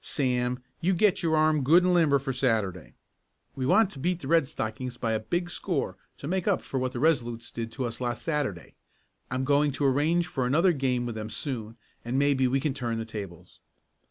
Sam, you get your arm good and limber for Saturday. We want to beat the Red Stockings by a big score to make up for what the Resolutes did to us last Saturday. I'm going to arrange for another game with them soon, and maybe we can turn the tables."